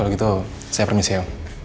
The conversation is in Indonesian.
kalau gitu saya permisi om